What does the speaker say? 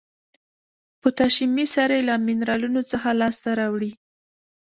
پوتاشیمي سرې له منرالونو څخه لاس ته راوړي.